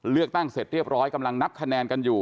เลือกตั้งเสร็จเรียบร้อยกำลังนับคะแนนกันอยู่